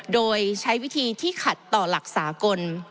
โดยใช้วิธีที่ขัดต่อหลักสากล